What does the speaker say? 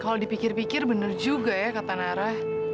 kalau dipikir pikir bener juga ya kata nara